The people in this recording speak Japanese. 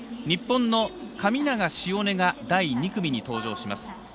日本の神長汐音が第２組に登場します。